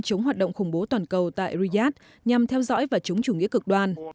chống hoạt động khủng bố toàn cầu tại riyadh nhằm theo dõi và chống chủ nghĩa cực đoan